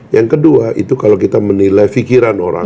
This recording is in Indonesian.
yang kedua itu kalau kita menilai fikiran orang